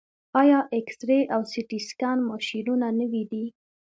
آیا اکسرې او سټي سکن ماشینونه نوي دي؟